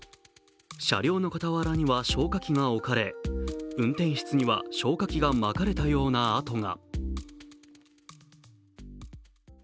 車両の傍らには消火器が置かれ運転室には消火器がまかれたような跡が。